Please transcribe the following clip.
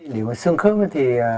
nếu mà sưng khớp thì